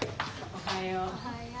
おはよう。